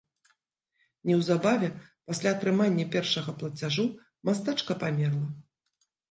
Неўзабаве пасля атрымання першага плацяжу мастачка памерла.